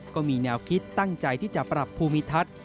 ก็มีแนวคิดตั้งใจที่จะปรับภูมิทัศน์